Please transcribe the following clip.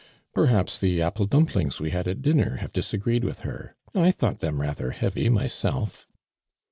" Perhaps the apple dumplings we had at dinner have disagreed with her. I thought them rather heavy myself."